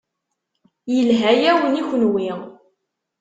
Yelha-yawen i kunwi.